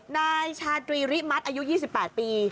นายชาตรีริมัติอายุ๒๘ปี